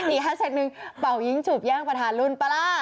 อีกแคปชั่นหนึ่งเป่ายิงจูบย่างประธานรุ่นปะล่ะ